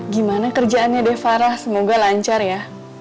gimana kerjaannya devarah semoga lancar ya